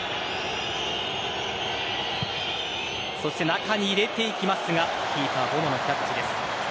中に入れていきますがキーパー、ボノがキャッチです。